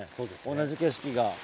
同じ景色が。